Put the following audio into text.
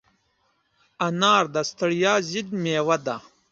انار د ستړیا ضد مېوه ده.